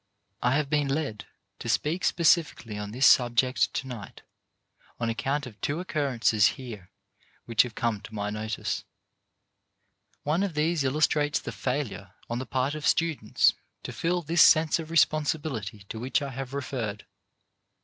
2o6 CHARACTER BUILDING I have been led to speak specifically on this sub ject to night on account of two occurrences here which have come to my notice. One of these illustrates the failure on the part of students to feel this sense of responsibility to which I have referred.